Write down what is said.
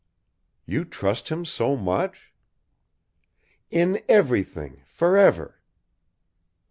"You trust him so much?" "In everything, forever!"